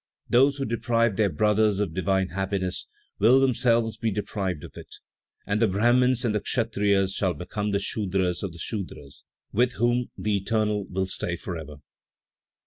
"Those who deprive their brothers of divine happiness will themselves be deprived of it; and the Brahmins and the Kshatriyas shall become the Sudras of the Sudras, with whom the Eternal will stay forever.